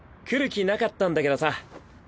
来る気なかったんだけどさ。